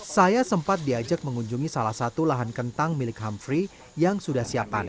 saya sempat diajak mengunjungi salah satu lahan kentang milik hamfri yang sudah siap panen